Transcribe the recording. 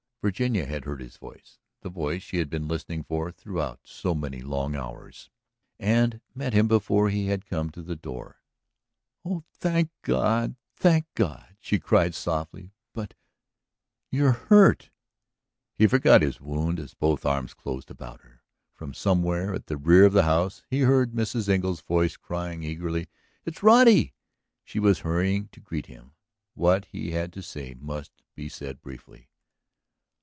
Virginia had heard his voice, the voice she had been listening for throughout so many long hours, and met him before he had come to the door. "Oh, thank God, thank God!" she cried softly. "But ... you are hurt?" He forgot his wound as both arms closed about her. From somewhere at the rear of the house he heard Mrs. Engle's voice crying eagerly; "It's Roddy!" She was hurrying to greet him. What he had to say must be said briefly.